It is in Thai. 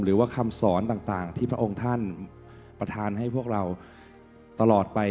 หรือว่าคำสอนต่างที่พระองค์ท่านประธานให้พวกเราตลอดไป